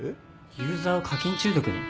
ユーザーを課金中毒に？